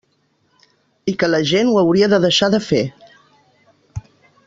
I que la gent ho hauria de deixar de fer.